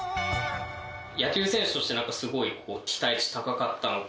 野球選手として、なんかすごいこう、期待値高かったのか。